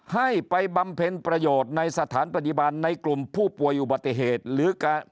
ให้ไปบำเพ็ญประโยชน์ในสถานพยาบาลในกลุ่มผู้ป่วยอุบัติเหตุหรือการ